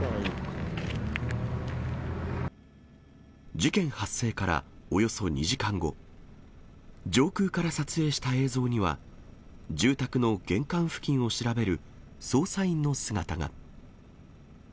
事件発生からおよそ２時間後、上空から撮影した映像には、住宅の玄関付近を調べる捜査員の姿が。